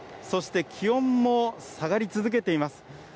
そして気温も下がり続けています。